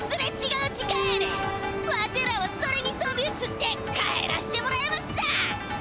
わてらはそれにとびうつって帰らしてもらいまっさ。